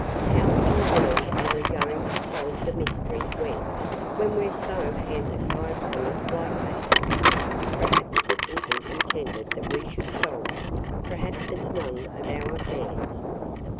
How in the world are we going to solve the mystery when – when we 're so hampered by a promise like that?" "Perhaps it is n't intended that we should solve it. Perhaps it 's none of our affairs."